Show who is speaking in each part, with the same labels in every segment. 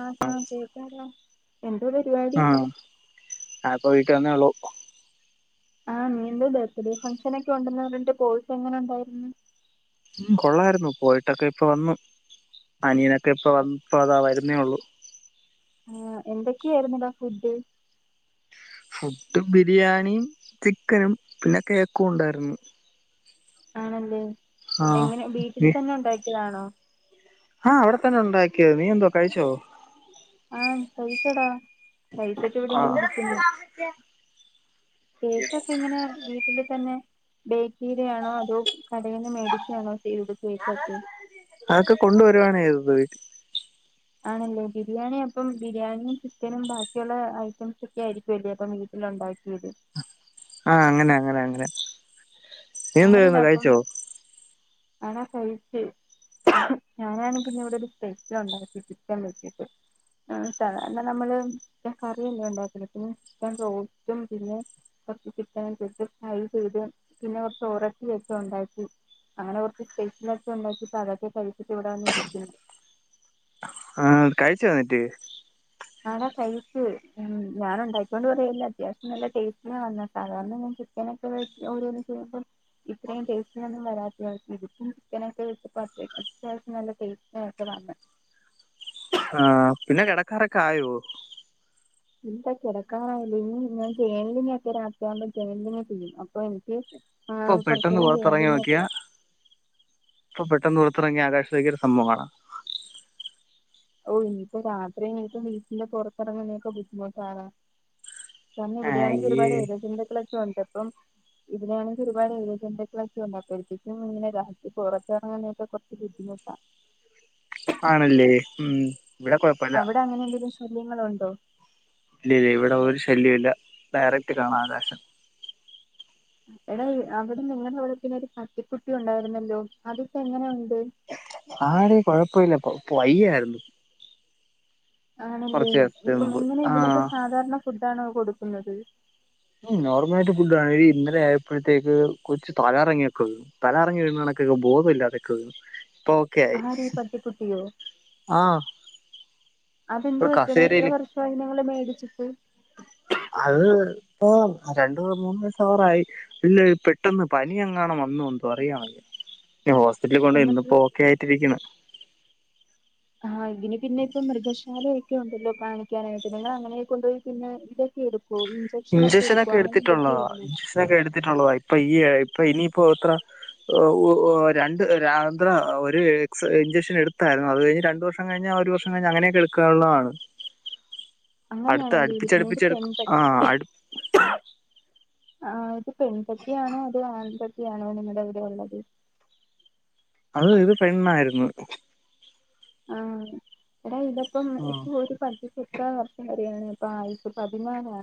Speaker 1: ആഹ് ആഹ് കേൾക്കലോ എന്തുവാ പരിപാടി
Speaker 2: കെടന്നെയുള്ളു
Speaker 1: ആഹ് നീ എന്റെ ബർത്ത്ഡേ ഫംഗ്ഷന് ഒക്കെയുണ്ടെന്ന് പറഞ്ഞിട്ട് പോയിട്ട് എങ്ങനെയുണ്ടായിരുന്നു ഉണ്ടായിരുന്നു
Speaker 2: ഉം കൊള്ളായിരുന്നു പോയിട്ടൊക്കെ ഇപ്പ വന്നു അനിയനൊക്കെ ഇപ്പ അതാ വരുന്നേയുള്ളു
Speaker 1: ആഹ് എന്തൊക്കെയായിന്നടാ ഫുഡ്
Speaker 2: ഫുഡ് ബിരിയാണിയും ചിക്കനും പിന്നെ കേക്കും ഒണ്ടായിരുന്നു
Speaker 1: ആണല്ലേ എങ്ങനെ വീട്ടിൽ തന്നെ ഉണ്ടാക്കിയതാണോ
Speaker 2: ആഹ് അവിടെ തന്നെ ഉണ്ടായിക്കി യതാ നീ എന്തുവാ കഴിച്ചോ
Speaker 1: ആഹ് കഴിച്ചടാ കഴിച്ചിട്ട് ഇവിടെ യിങ്ങനെ
Speaker 2: ആഹ്
Speaker 1: ഇരിക്കുന്നു കേക്കൊക്കെ എങ്ങനെ വീട്ടില് തന്നെ ബേക്ക്ചെയ്തയാണോ അതോ കടേന്ന് മേടിക്കാണോ?
Speaker 2: അതൊക്കെ കൊണ്ട് വരുവാണ് ചെയ്തത് വീട്ടിൽ
Speaker 1: ആണല്ലേ ബിരിയാണി അപ്പം ബിരിയാണിയും ചിക്കനും ബാക്കിയുള്ള ഐറ്റംസ് ഒക്കെ ആയിരിക്കുംല്ലേ പണി കിട്ടി ല്ലെ ഉണ്ടാക്കിയത്...
Speaker 2: ആഹ് അങ്ങനെ അങ്ങനെ അങ്ങനെ നീ എന്താ ചെയ്യുന്നേ കഴിച്ചോ?
Speaker 1: ആടാ കഴിച്ച് ഞാനാണെങ്കി പിന്നെ ഇവിടെ ഒരു സ്പെഷ്യൽ ഉണ്ടാകി ചിക്കൻ വെച്ചിട്ട് എന്ന നമ്മള് കറിയല്ലെ ഉണ്ടാക്കല് പിന്നെ ചിക്കൻ ബ്രോസ്റ്റും പിന്നെ പത്തി ചിക്കനും [unintelligible] ഫ്രൈ ചെയ്ത് പിന്നെ കുറച്ച് ഓറോട്ടി ഓക്കെ ഉണ്ടാക്കി അങ്ങനെ കുറച്ച് സ്പെഷ്യൽക്കെ ഉണ്ടാക്കി ഇപ്പോ അതൊക്കെ കഴിച്ചിട്ട് ഇവിടെ വന്ന് ഇരിക്കാണ്
Speaker 2: ആഹ് കഴിച്ചോ ന്നിട്ട്
Speaker 1: ആട കഴിച്ച് ഉം ഞാൻ ഉണ്ടാക്കിയോണ്ട് പറയല്ല അത്യാവശ്യം നല്ല ടേസ്റ്റിലാ വന്നേ സാധാരണ ഞാൻ ച്ചി ഇങ്ങനൊക്കെ ഓരോന്ന് ചെയ്യുമ്പം ഇത്രയും ടേസ്റ്റ് ഒന്നും വരാത്തയാണ് ഇതിപ്പം ചിക്കന് ഒക്കെ വെച്ചപ്പോ അ അത്യാവശ്യം നല്ല ടേസ്റ്റ്. ആതെ.
Speaker 2: ആഹ് പിന്നെ കെടക്കാറൊക്കെ ആയോ.
Speaker 1: ഇല്ല കിടക്കാറായില്ല ഇനി ഞാൻ [unintelligible] ഒക്കെ രാത്രിയാവുമ്പോ.. [unintelligible] ചെയ്യും അപ്പൊ എനിക്ക് ആ
Speaker 2: ഇപ്പൊ
Speaker 1: കുറച്ചു
Speaker 2: പെട്ടെന്ന്
Speaker 1: നേരം
Speaker 2: പൊറത്തിറങ്ങി
Speaker 1: ജേണലിംഗ്
Speaker 2: നോക്കിയാ ഇപ്പ പെ പെട്ടെന്ന് പുറത്തിറങ്ങി ആകാശത്തിലേക്ക് നോക്കിയാൽ ഒരു സംഭവം കാണാം.
Speaker 1: ഓ ഇനിയിപ്പോ രാത്രി ഇനിയിപ്പ വീട്ടിന്റെ പുറത്തിറങ്ങനൊക്കെ ബുദ്ധിമുട്ടാടാ.. തന്നെ ഇവിടെയാണെങ്കിൽ
Speaker 2: അയ്യേ
Speaker 1: ഒരുപാട് എഴ ജന്തുക്കൾ ഒക്കെ ഉണ്ട് അപ്പം... ഇതിനാണെങ്കിൽ ഒരുപാട് എഴജന്തുക്കൾ ഉണ്ട് അപ്പോഴത്തക്കും ഇങ്ങനെ രാത്രി പുറത്ത്ഇറങ്ങാൻഒക്കെ കുറച്ച് ബുദ്ധിമു... പ്പ..
Speaker 2: ആണല്ലേ ഉം.. ഇവിടെ കുഴപ്പല്ല
Speaker 1: അവിടെ അങ്ങനെ എന്തെങ്കിലും ശല്യങ്ങൾ ഉണ്ടോ..
Speaker 2: ഇല്ല ഇല്ല ഇവിടെ ഒരു ശല്യ ഇല്ല ഡയറക്ട് കാണാം ആകാശം..
Speaker 1: എടാ അവിടെ നിങ്ങടെ അവിടെ പിന്നെ ഒരു പട്ടിക്കുട്ടി ഉണ്ടായിരുന്നല്ലോ അതിപ്പോ എങ്ങനെയു..
Speaker 2: ആടി കൊഴപ്പില്ലപ്പം വയ്യയ്രുന്നു..
Speaker 1: ആണല്ലേ ഇപ്പം
Speaker 2: മുമ്പ്
Speaker 1: ഇങ്ങനെ
Speaker 2: ആ
Speaker 1: ഇതിനൊക്കെ സാധാരണ ഫുഡ്‌ ആണോ കൊടുക്കുന്നത്...
Speaker 2: ഉം നോർമലായിട്ട് ഫുഡ്‌ ഇന്നലെ ആയപ്പോതെക് കൊച് തലാറങ്ങിയൊക്കെ വീണു തല കറങ്ങി വിയ്... ക്ക ബോധില്ലാതൊക്കെ ആയി ഇപ്പൊ ഓ ക്കെ ആയി
Speaker 1: ആര് ഈ പട്ടിക്കുട്ടിയോ
Speaker 2: ആഹ്.
Speaker 1: അതെന്ത്
Speaker 2: ഒരു
Speaker 1: പറ്റിയെടാ എത്ര
Speaker 2: കസേരിൽ
Speaker 1: വർഷമായി നിങ്ങള് മേടിച്ചിട്ട്
Speaker 2: അത്.. ആ രണ്ടു മൂന്ന് ദിവസം ആവാറായി ഇല്ല പെട്ടെന്ന് പനിയങ്ങനും വന്നു എന്തോ അറിയണല്ലേ.... ഹോസ്പിറ്റലിൽ കൊണ്ട് പോയി ഇന്ന്
Speaker 1: എന്നിട്ട്
Speaker 2: ഇപ്പോ ഒക്കെ ആയിട്ടിരിക്കുന്നു....
Speaker 1: ആഹ ഇതിന് പിന്നെ ഇപ്പൊ മൃഗശാലയൊക്കെ ഉണ്ടല്ലോ കാണിക്കാനായിട്ട് നിങ്ങൾ അങ്ങനെയൊക്ക കൊണ്ടുപോയി പിന്നെ ഇതൊക്കെ എടുക്കും...
Speaker 2: ഇഞ്ചക്ഷനൊക്കെ എടുത്തിട്ടുള്ളതാ
Speaker 1: ഇല്ലേ
Speaker 2: ഇഞ്ചക്ഷനൊക്കെ എടുത്തിട്ടുള്ളതാ ഇപ്പൊ ഈ ഇപ്പൊ ഇനിയിപ്പോ എത്ര... രണ്ട്ന്ധ്ര ഒരു ഇഞ്ചക്ഷൻ എടുത്തായിരുന്നു അത് ഇ രണ്ട് വർഷം കഴിഞ്ഞൽ... ഒരു വർഷം കഴിഞ്ഞാൽ അങ്ങനെ ഒക്കെ എടുക്കാനുള്ളതാണ്.. അടുത്ത
Speaker 1: അങ്ങനെയണല്ലീഇടുക്കുന്നത്ഒരു പെൻ
Speaker 2: അടുപ്പിച്ചടുപ്പിച്ചെടുക്ക ആ
Speaker 1: പട്ടി...
Speaker 2: അടു
Speaker 1: ആ ഇത് പെൺപട്ടിയാണോ അതോ ആൺപട്ടി ആണോ നിങ്ങളുടെ അവിടെ ഉള്ളത്..
Speaker 2: അത് ഇത് പെണ്ണായിരുന്നു..
Speaker 1: ആഹ് എടാ ഇതപ്പം
Speaker 2: ആ
Speaker 1: ഇപ്പ ഒരു പദ്ധ... എത്ര വർഷം കൂടിയാണ് ഇപ്പൊ ആയുസ് പതിന്നലാണോ...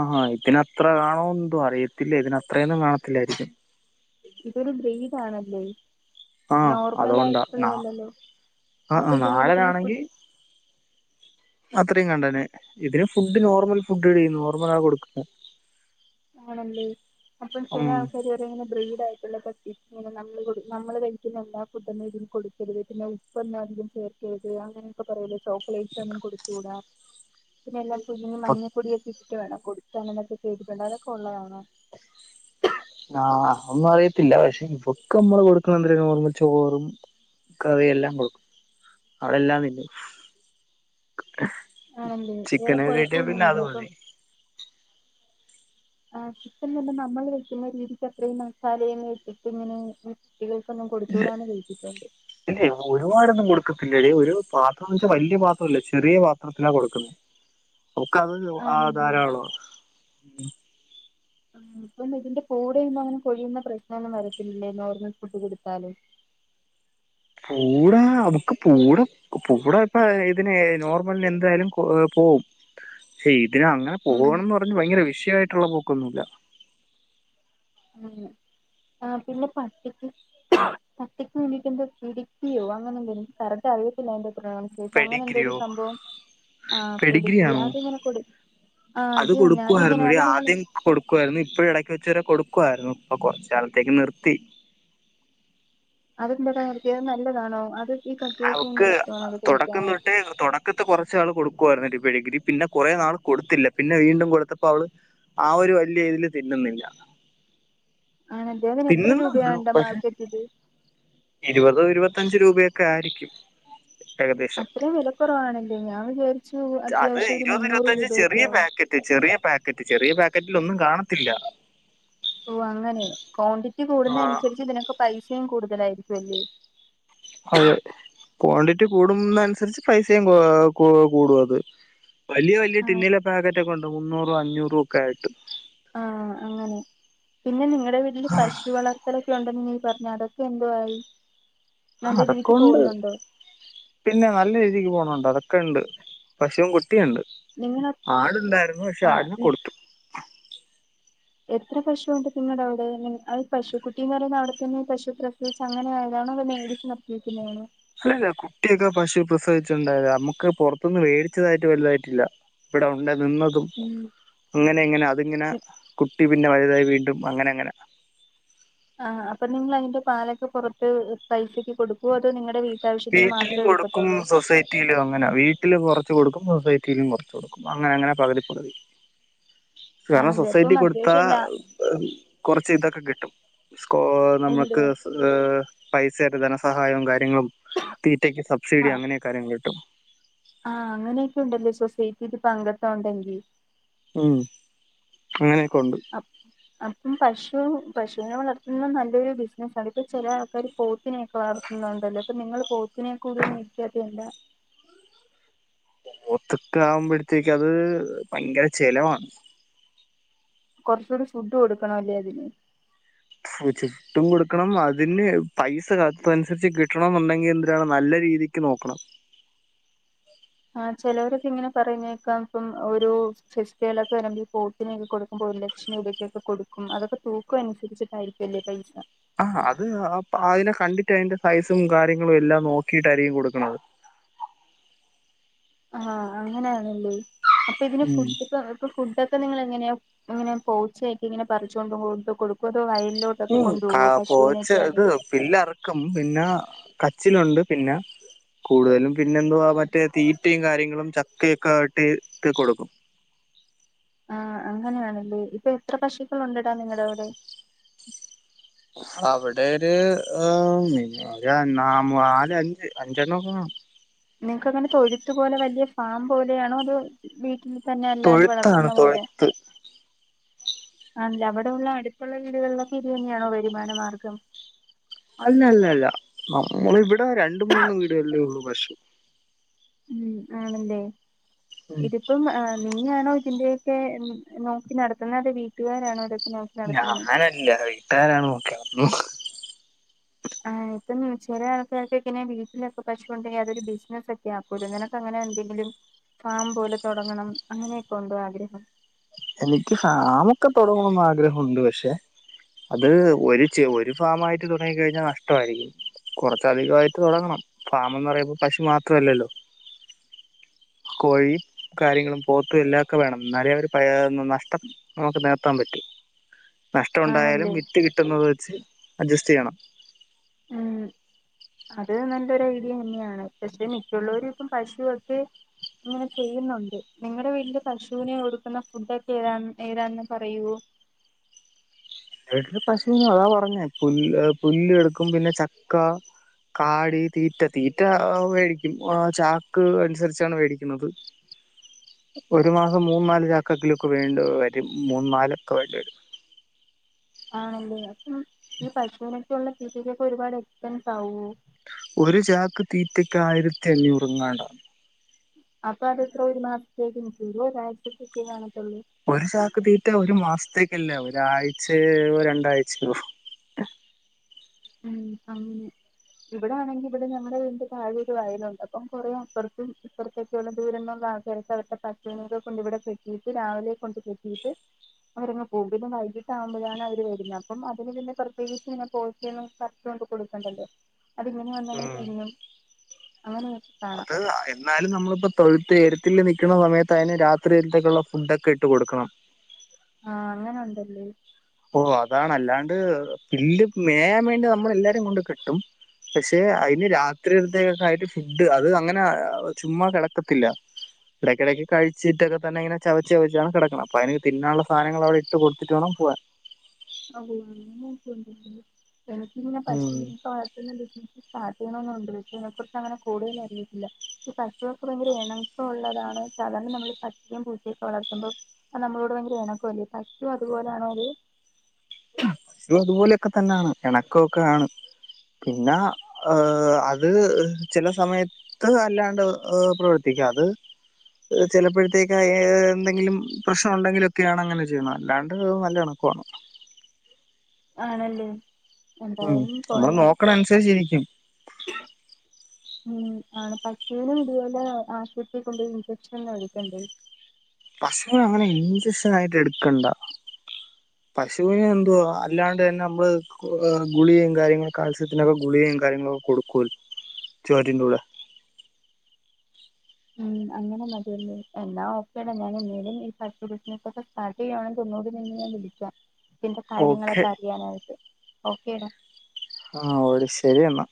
Speaker 2: ആഹാ ഇതിനന്ത്ര കാണോ എന്തോ അറിയത്തില്ല ഇതിനന്ത്രയൊന്നും കാണത്തില്ലായിരിക്കും.
Speaker 1: ഇതൊരു ഗ്രീഡ ആണല്ലേ.
Speaker 2: ആ
Speaker 1: നോർമൽ
Speaker 2: അതുകൊണ്ടാ
Speaker 1: ആയിട്ടുള്ളല്ലല്ലോ
Speaker 2: ആ
Speaker 1: അപ്പൊ ഇതിന് കൊടുക്കുന്ന
Speaker 2: നാടനാണെങ്കി
Speaker 1: ഫുഡ്..
Speaker 2: അത്രയും കണ്ടന്നെ ഇതിന് ഫുഡ് നോർമൽ ഫുഡ് ടി നോർമൽ ആ കൊടുക്കും..
Speaker 1: ആണല്ലേ അപ്പം ചില ആൾക്കാർ ഒരങ്ങനെ ബ്രീഡ് ആയിട്ടുള്ള പട്ടി അങ്ങനെ നമ്മള് നമ്മള് കഴിക്കുന്ന എല്ലാ ഫുഡൊന്നും ഇതിൽ കൊടുക്കരുത് പിന്നെ ഉപ്പന്നുംധികം ചേർക്കരുത് അങ്ങന ചോക്ലേറ്റ് ഒന്നും കൊടുത്തൂട പിന്നെല്ല പുഞ് മഞ്ഞപ്പൊടിയൊക്കെ ഇട്ടിട്ട് വേണം കൊടുത്താനതൊക്കെ ചെയ്ട്ടേണ്ട അതൊക്കെ ഉള്ളതണോ
Speaker 2: ആഹ് ഒന്നും അറിയത്തില്ല പക്ഷെ ഇവൊക്കെ നമ്മള് കൊടുക്കുന്ന എന്ത പറഓ ചോറും കറിയെല്ലാം കൊടുക്കും അവളെല്ലാം പിന്നു
Speaker 1: ആണല്ലേ വേറെ
Speaker 2: ചിക്കന ഒക്കെ കട്ടിയ പിന്നെ
Speaker 1: കുഴപ്പമൊന്നുമില്ല
Speaker 2: അത് പോ
Speaker 1: അപ്പം
Speaker 2: മതി
Speaker 1: ആ ചിക്കൻ തന്നെ നമ്മൾ വെക്കുന്ന രീതിക്ക് അത്രയും മസാല കട്ടിട്ട് ഇങ്ങനെ കുട്ടികൾക്കൊന്നും കൊടുത്തുടന്ന് കളിച്ചിട്ടുണ്ട്
Speaker 2: ഇല്ലേ ഒരുപാടൊന്നും ഒരു പാത്രംന്ന് വെച്ചാ വല്ിയ പാത്രംല്ല ചെറിയ പാത്രത്തിനാ കൊടുക്കുന്നത് നക്ക അത് ആ
Speaker 1: ആണല്ലേ
Speaker 2: ധാരള്ളു
Speaker 1: ഇപ്പ ഇതിന്റെ പൂടെ ഇ അങ്ങനെ കൊഴിയുന്ന പ്രശ്നം ഒന്നും വരത്തില്ലല്ലേ നോർമൽ ഫുഡ് കൊടുത്താല്
Speaker 2: പൂടാ നമുക്ക് പൂടെ പൂടെ ഇപ്പ ഇതിനെ നോർമല എന്തായാലും പോവും പക്ഷെ ഇപ്പം ഇതിന അങ്ങനെ
Speaker 1: ഉം
Speaker 2: പോകണംന്ന് പറഞ്ഞഞ് ഭയങ്കര വിഷയമായിട്ടുള്ള പോൊക്കൊന്നുമില്ല
Speaker 1: ഉം ആ പിന്നെ പട്ടിക്ക് പട്ടക്ക് എനിക്ക് എന്ത പിടിക്കിയോ അങ്ങനെന്ത എനി കറ അറിയത്തില്ല എന്റെറെ ശേഷം അങ്ങനെ എന്തോ ഒരു
Speaker 2: പെഡിഗ്രിയോ
Speaker 1: സംഭവം
Speaker 2: പെഡിഗ്രി
Speaker 1: ആഡിഗ്രി
Speaker 2: ആണോ
Speaker 1: അതിങ്ങനെ കൂടി
Speaker 2: അത് കൊടുക്കുായിരുന്നു ഇടി ആദ്യം കൊടുക്കുായിരുന്നു ഇപ്പഴ ഇടക്ക് വെച്ചവരെ കൊടുക്ക ക്കുവായിരുന്നു ഉപ്പൊ കൊറച്ചു നാളത്തേക്ക് നിർത്തി
Speaker 1: അതെ ന്തിനാ നിർത്തിയത് നല്ലതാണോ അത് ഈ പട്ടികൾക്ക്
Speaker 2: അവക്ക്
Speaker 1: ഭയങ്കര ഇഷ്ടമാണോ അത്
Speaker 2: തുടക്കം
Speaker 1: കഴിക്കാനായിട്ട്
Speaker 2: തൊട്ട് തുടക്കത്തെ കുറച്ച് നാൾ കൊടു ക്കുവായിരുന്നു ഇപ്പ ഡിഗ്രി പിന്നെ കുറേ നാൾ കൊടുത്തില്ല പിന്നെ വീണ്ടും കൊടുത്തപ്പോ അവള് ആ ഒരു വലിയ ഇതിൽ തിന്നുന്നില്ല
Speaker 1: ആണ് ഇദ്ദേഹന് എത്ര
Speaker 2: തിന്നുന്നുണ്ട്
Speaker 1: രൂപയാണ്ണ്ട
Speaker 2: പക്ഷെ
Speaker 1: മാർക്കറ്റില്
Speaker 2: ഇരുപതോ ഇരുപത്തഞ്ച് രൂപയൊക്കെ ആയിരിക്കും ഏകദേശം
Speaker 1: അത്രയും വിലക്കറവാണെല്ലേ ഞാൻ വിചാരിച്ചു
Speaker 2: അത്
Speaker 1: അത്യാവശ്യം ഒരു
Speaker 2: ഇരുപത്
Speaker 1: മുന്നൂറ്
Speaker 2: ഇരുപത്തഞ്ച്
Speaker 1: രൂപയൊക്കെ
Speaker 2: ചെറിയ
Speaker 1: ആവും
Speaker 2: പാക്കറ്റ് ചെറിയ പാക്കറ്റ് ചെറിയ പാക്കറ്റിൽ ഒന്നും കാണത്തില്ല
Speaker 1: ഓ അങ്ങനെ ക്വാണ്ടിറ്റി
Speaker 2: ആ,
Speaker 1: കൂടുന്ന അനുസരിച്ച് ഇതിനൊക്കെ പൈസയും കൂടുതലായിരിക്കും അല്ലെ
Speaker 2: അതെ ക്വാണ്ടിറ്റി കൂടും ന്ന അനുസരിച്ച് പൈസയും കൂടും അത് വലിയ വലിയ
Speaker 1: ആഹ്
Speaker 2: ടിന്നിലെ പാക്കറ്റ ഒക്കെ ഉണ്ട് മുന്നൂറും അഞ്ഞൂറ ഒക്കെ ആയിട്ട്
Speaker 1: ആഹ് അങ്ങനെ പിന്നെ നിങ്ങളടെ വീട്ടില് പശു വളർത്തലൊക്കെ ഉണ്ടെന്ന് [unintelligible] പറഞ്ഞു അതൊക്കെ എന്തു ആയി
Speaker 2: ആ അതൊക്കൊണ്ട് പിന്നെ നല്ല രീതിക്ക് പോണുണ്ട് അതൊ ക്കെണ്ട് പശുവും കുട്ടിയുണ്ട്
Speaker 1: നിങ്ങള
Speaker 2: ആടുണ്ടായിരുന്നു പക്ഷെ
Speaker 1: ആ
Speaker 2: ആടിനെ കൊടുത്തു
Speaker 1: എത്ര പശുണ്ട് നിങ്ങളുടെ അവിടെ പശു കുട്ടിപറയുമ്പ അവിടെത്തന്നെ പശു പ്രസവിച്ച് അങ്ങനെ ആണോ ണോ മേടി നിർച്ച് നിർത്തേ ക്കുന്നതാണോ
Speaker 2: അല്ലല്ല കുട്ടിയൊക്കെ പശു പ്രസവിച്ചിണ്ടായത നമ്മുക്ക് പുറത്തൊന്നും മേടിച്ചതായിട്ട് വലുതായിട്ടില്ല ഇവിടെ ഉണ്ട് നിന്നതും
Speaker 1: ഉം
Speaker 2: അങ്ങനെ ഇങ്ങനെ അതിങ്ങനെ കുട്ടി പിന്നെ വലുതായി വീണ്ടും അങ്ങനെ അങ്ങനെ
Speaker 1: ആഹ അപ്പൊ നിങ്ങൾ അതിന്റെ പാലൊക്കെ പുറത്ത് പൈസക്ക് കൊടുക്കുവോ അതോ നിങ്ങളടെ വീട്ടിൽ
Speaker 2: വീട്ടില് കൊടുക്കും സൊസൈറ്റിയിലോ അങ്ങനെ വീട്ടില് കൊറ ച്ച് കൊടുക്കും സൊസൈറ്റിയിലും കുറച്ചു കൊടുക്കും അങ്ങനെ അങ്ങനെ പകുതി പകുതി കാരണം
Speaker 1: ആണല്ലേ
Speaker 2: സൊസൈറ്റി
Speaker 1: അപ്പം
Speaker 2: കൊടുത്താ
Speaker 1: അത്യാവശ്യം ലാ
Speaker 2: കുറച്ച് ഇതൊക്കെ കിട്ടും സ്കോ നമ്മുക്ക്
Speaker 1: എന്തുവാ
Speaker 2: പൈസായിട്ട് ധനസഹായവും കാര്യ ങ്ങളും തീറ്റക്ക് സബ്സിഡി അങ്ങനെ കാര്യങ്ങൾ കിട്ടും
Speaker 1: ആഹ് അങ്ങനെയൊക്കെ ഉണ്ടല്ലോ സൊസൈറ്റിൽ പ അംഗത്തം ഉണ്ടെങ്കിൽ
Speaker 2: ഉം അങ്ങനെ
Speaker 1: അപ് അപ്പം പശു പശുനെ വളർത്തുന്നത് നല്ലൊരു ബിസിനസ്സാണ് ഇപ്പ ചെല ആൾക്കാര് പോത്തിനെയൊക്കെ വളർത്തുന്നണ്ടല്ലോ ഇപ്പൊ നിങ്ങള് പോ തിനെ കൂടി മേടിക്കാത്തെയെന്താ
Speaker 2: പോത്തൊക്കെ ആകുമ്പഴ്ത്തേക്ക് അത് ഭയങ്കര ചെലവാണ്
Speaker 1: കൊറച്ചൂടി ഫുഡ് കൊടുക്കണല്ലേ അതിന്
Speaker 2: ഫുടഡും കൊടുക്കണം അതിന് പൈസ അതനുസരിച്ച് കിട്ടണന്നുണ്ടെങ്കിൽ എന്തിനാണ് നല്ലെ രീതിക്ക് നോക്കണം.
Speaker 1: ആ ചെലവരൊക്കെ ഇങ്ങനെ പറയ്ന്ന കേക്കാം ഇപ്പം ഒരു ഫെസ്റ്റവലൊക്കെ വരുമ്പം ഈ പോത്തിനെയൊക്കെ കൊടുക്കുമ്പോ ഒരു ലക്ഷം രൂപക്കൊക്കെ കൊടുക്കും അതൊക്കെ തൂക്കം അനുസരിച്ചിട്ടായിരിക്കുല്ലേ പൈസ
Speaker 2: ആ അത് അ അയിനെ കണ്ടിട്ട് അയിന്റെ സൈസും കാര്യങ്ങളും എല്ലാം നോക്കിട്ടായിരിക്കും കൊടുക്ക്ണത്
Speaker 1: ആ അങ്ങനയാണല്ലേ അപ്പതിന്
Speaker 2: ഉം
Speaker 1: ഫുഡ് ഇപ്പ ഫുഡ ക്കെ നിങ്ങളെങ്ങനെയ ഇങ്ങനെ പോച്ചയാക്കി ഇങ്ങനെ പറിച്ചോണ്ട് കൊണ്ടു കൊടുക്കോ അതോ വയലിലോട്ടൊക്കെ
Speaker 2: ഉം കാ
Speaker 1: കൊണ്ടുപോകോ
Speaker 2: പോച്ച്
Speaker 1: പശുവിനൊക്കെ
Speaker 2: ത്
Speaker 1: ആണെങ്കിൽ
Speaker 2: പില്ലറക്കും പിന്നേ കച്ചിലുണ്ട് പിന്ന കൂടുതലും പിന്നെ എന്തുവാ മറ്റേ തീറ്റയും കാര്യങ്ങളും ചക്കയൊക്കെ ആട്ടി യിട്ട് കൊടുക്കും.
Speaker 1: ആ അങ്ങനെയാണല്ലേ ഇപ്പൊ എത്ര പശുക്കൾ ഉണ്ടടാ നിങ്ങടവിടെ
Speaker 2: അവിടെര് ആ നാല് അഞ്ച് അഞ്ചെണ്ണൊക്കെ കാണും അം
Speaker 1: നിങ് ക്കിങ്ങനെ തൊഴുത്ത് പോലെ വലിയ ഫാം പോലെയാണോ അതോ വീട്ട്ല് തന്നെ അല്ലാണ്ട്
Speaker 2: തൊഴുത്താണ്
Speaker 1: വളർത്തുന്ന പോലെയാണോ?
Speaker 2: തൊഴുത്ത്
Speaker 1: അല്ലവടെള്ള അടുത്തുള്ള വീടുകളിലൊക്കെ ഇത് തന്നെയാണോ വരുമാന മാർഗം?
Speaker 2: അല്ലല്ലല്ല നമ്മളിവടെ രണ്ട് മൂന്ന് വീടുകളിലേ ഉള്ളൂ പശു.
Speaker 1: ഉം ആണല്ലേ
Speaker 2: ഉം
Speaker 1: ഇതിപ്പം ആ നീ ആണോ ഇതിന്റെ ക്കെ നോക്കി നടത്തുന്നെ അത് വീട്ടുകാരാണോ അത്?
Speaker 2: ഞാനല്ല വീട്ടുകാരാണ് നോക്കിനടത്തുന്നത്.
Speaker 1: ആ ഇപ്പം ചെല ആൾക്കാർക്കൊക്കങ്ങനെ വീട്ടിലൊക്കെ പശുണ്ടെങ്കിൽ അതൊരു ബിസിനസൊക്കെയാ അപ്പ നിനക്കങ്ങനെ എന്തെങ്കിലും? ഫാം പോലെ തൊടങ്ങണം അങ്ങനെയൊക്കെണ്ടോ ആഗ്രഹം?
Speaker 2: എനിക്ക് ഫാമൊക്കെ തൊടങ്ങണന്ന് ആഗ്രഹമുണ്ട് പഷെ അത് ഒരു ചെ ഒരു ഫാമായിട്ട് തുടങ്ങി കഴിഞ്ഞാൽ നഷ്ടവായിരിക്കും. കൊറച്ചധികായിട്ട് തൊടങ്ങണം ഫാമെന്ന് പറയുമ്പ പശു മാത്രല്ലല്ലോ. കോഴി കാര്യങ്ങളും പോത്തും എല്ലാക്കെ വേണം ന്നാലേ ഒര് പാ നനനഷ്ടം നമുക്ക് നേകത്താൻ പറ്റു. നഷ്ടം ഒണ്ടായാലും
Speaker 1: ആണല്ലേ
Speaker 2: വിറ്റ് കിട്ടുന്നത് വെച്ച് അഡ്ജസ്റ്റ് ചെയ്യണം.
Speaker 1: ഉം അത് നല്ലൊരു ഐഡിയ തന്നെയാണ് പഷെ മിക്കുള്ളവരും ഇപ്പം പശുവൊക്കെ അങ്ങനെ ചെയ്യുന്നൊണ്ട് നിങ്ങടെ വീട്ടില് പശുനെ കൊടുക്കുന്ന ഫുട്ടൊക്കെ ഏതാണ് ഏതാണന്ന് പറയുവോ?
Speaker 2: വീട്ടില് പശുന് അതാ പറഞ്ഞേ പുല്ല് പുല്ലെടുക്കും പിന്നെ ചക്ക കാടി തീറ്റ തീറ്റ ആ വേടിക്കും ആ ചാക്ക് അനുസരിച്ചാണ് വേടിക്കുന്നത്. ഒരു മാസം മൂന്ന് നാല് ചാക്കങ്കിലൊക്കെ വേണ്ടി വരും മൂന്ന് നാലൊക്കെ വേണ്ടിവരും.
Speaker 1: ആണല്ലേ അപ്പം ഈ പശുവിനൊക്കെയൊള്ള തീറ്റക്കൊക്കെ ഒരുപാട് എക്സ്പെൻസാവോ?
Speaker 2: ഒരു ചാക്ക് തീറ്റയ്ക്ക് ആയിരത്തി അഞ്ഞൂറങ്ങാണ്ടാണ്.
Speaker 1: അപ്പൊ അതത്ര ഒരു മാസത്തേക്ക് നിക്കുളോ ഒരാഴ്ത്തേക്ക് കാണ
Speaker 2: ഒരു ചാക്ക് തീറ്റ ഒരു മാസം. അത്രക്കില്ല ഒരാഴ്ചെ രണ്ടാഴ്ചയോ
Speaker 1: ഉം ആ ഇവിടൊണെങ്കി ഇവിടെ നങ്ങടെ വീടിന്റെ ഒരു വയലുണ്ട് അപ്പം കൊറേ അപ്പർത്തും ഇപ്പർത്തൊക്കെള്ള ദൂരെള്ള ആ കേക്ക് അവട്ത്തെ പശുവിനെ കൊണ്ട് ഇവിടെ കെട്ടിയിട്ട് രാവിലെ കൊണ്ട് കെട്ടിയിട്ട് അവരങ്ങ് പോകും പിന്നെ വൈകിട്ടാവു മ്പൊഴാണ് അവര് വരിക അപ്പം അതിന് പിന്നെ പ്രത്യേകിച്ച് ന്നെ പോ പർച്ചോണ്ട് കൊടുക്കണ്ടല്ലോ അത്ങ്ങനെ വന്നങ്ങ് തിന്നും അങ്ങനെ
Speaker 2: അത് എന്നാലും നമ്മളിപ്പൊ തൊഴുത്ത് വീട്ടിൽ നിക്ക്ണ സമയത്ത് അതിന് രാത്രീൽത്തേക്കുള്ള ഫുഡൊക്കെ ഇട്ട് കൊടുക്കണം
Speaker 1: ആ അങ്ങനെ ഉണ്ടല്ലേ
Speaker 2: ഓ അതാണ് അല്ലാണ്ട് പുല്ല് മേയാൻ വേണ്ടി നമ്മൾ എല്ലാരും കൊണ്ട് കെട്ടും പക്ഷെ അതിന് രാത്രിട്ത്തേക്കൊക്കെ ആയിട്ട് ഫുഡ് അത് അങ്ങനെ ചുമ്മാ കിടക്കത്തില്ല ഇടക്കിടക്ക് കഴിച്ചിട്ടൊക്കെ തന്നെ ഇങ്ങനെ ചവച്ച് ചവച്ചാണ് കിടക്ക്ണ് അപ്പൊ അതിന് തിന്നാനുള്ള സാധനങ്ങള് അവിടെ ഇട്ട് കൊടുത്തിട്ട് വേണം പോവാൻ
Speaker 1: [inaudible] ബാക്കിലുള്ള പശൂനെ [inaudible] ണന്ന്ണ്ട് പശൂനെ കുറിച്ച് അങ്ങനെ കൂടുതലറിയില്ല ഈ പശുവൊക്കെ ഭയങ്കര ഇണ ഉള്ളതാണ് സാധാരണ നമ്മള് പട്ടിയും പൂച്ചയൊക്കെ വളർത്തുമ്പോ അത് നമ്മളോട് ഭയങ്കര ഇണക്കല്ലേ പശു അതുപോലാണോ ഏ
Speaker 2: ഉം പശു അതുപോലൊക്കെ തന്നാണ് ഇണക്കൊക്കെ ആണ് പിന്ന അത് ചില സമയത്ത് അല്ലാണ്ട് പ്രവർത്തിക്കും യത് ചിലപ്പോഴത്തേക്ക് എന്തെങ്കിലും പ്രശ്നം ഉണ്ടെങ്കിലൊക്കെയാണ് അങ്ങനെ ചെയ്യുന്നത് അല്ലാണ്ട് നല്ലതാണ് പോവാം
Speaker 1: ആണല്ലേ
Speaker 2: ഉം
Speaker 1: എന്തായാലും
Speaker 2: നമ്മള്
Speaker 1: കൊള്ളാം
Speaker 2: നോക്കണ അനുസരിച്ചിരിക്കും
Speaker 1: ഉം ആണ് പശുവിനും ഇതുപോലെ ആശുപത്രി കൊണ്ടോയി ഇൻജെക്ഷനെല്ലാം എടുക്കണ്ടേ?
Speaker 2: പശുന് അങ്ങനെ ഇൻജക്ഷനായിട്ട് എടുക്കണ്ടാ. പശുവിന് എന്തുവാ അല്ലാണ്ട് തന്നെ നമ്മള് ഗുളികയും കാര്യങ്ങളൊക്കെ കാൽസ്യത്തിനൊക്കെ ഗുളികയും കാര്യങ്ങളും കൊടുക്ക ചോറ്റ്ന്റെ കൂടെ
Speaker 1: ഉം അങ്ങനെ മതിയല്ലേ. എന്നാ ഒക്കെഡാ ഞാൻ എന്നേലും ഈ പശു ബിസിനസൊക്കെ സ്റ്റാർട്ട് ചെയ്യാണെങ്കി ഓ ന്നുകൂടി നിന്നെ ഞാൻ വിളിക്കാം, ഇതിന്റെ
Speaker 2: ഓക്കെ
Speaker 1: കാര്യങ്ങളൊക്കെ അറിയാനായിട്ട്. ഓക്കേടാ
Speaker 2: ഹാ ഓട് ശരിയെന്നാ.